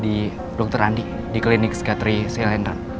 di dokter andi di klinik skateri cilindron